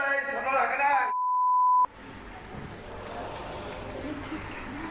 ไม่รู้อะไรกับใคร